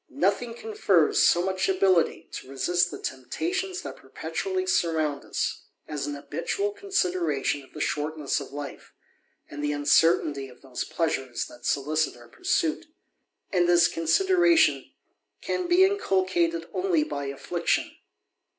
Nothing confers so much ability to resist the temptation* that perpetually surround us, as an habitual consideration oT the shortness of life, and the uncertainty of those pleasure* that solicit our pursuit; and this consideration can be? THE ADVENTURER. 261 inculcated only by affliction.